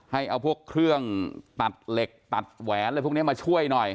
ให้เอาพวกเครื่องตัดเหล็กตัดแหวนอะไรพวกนี้มาช่วยหน่อย